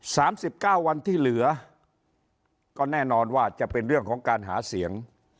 สามสิบเก้าวันที่เหลือก็แน่นอนว่าจะเป็นเรื่องของการหาเสียง